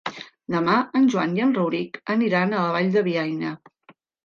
Demà en Joan i en Rauric aniran a la Vall de Bianya.